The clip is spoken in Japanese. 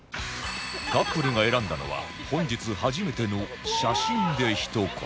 カップルが選んだのは本日初めての写真で一言